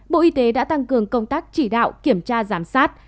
bộ y tế đã tăng cường công tác chỉ đạo kiểm tra giám sát